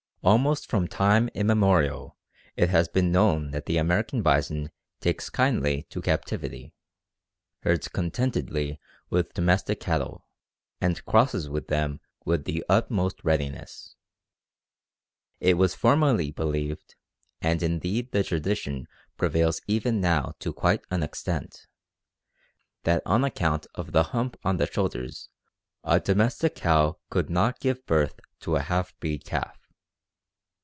_ Almost from time immemorial it has been known that the American bison takes kindly to captivity, herds contentedly with domestic cattle, and crosses with them with the utmost readiness. It was formerly believed, and indeed the tradition prevails even now to quite an extent, that on account of the hump on the shoulders a domestic cow could not give birth to a half breed calf.